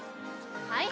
はい？